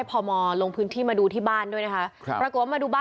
ยังรักพ่ออยู่นะครับ